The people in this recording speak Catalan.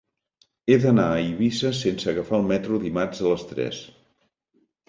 He d'anar a Eivissa sense agafar el metro dimarts a les tres.